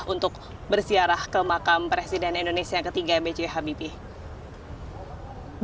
untuk bersiarah ke makam presiden indonesia yang ketiga b j habibie